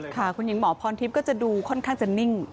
ค่ะคุณหญิงหมอพรทิพย์ก็จะดูค่อนข้างจะนิ่ง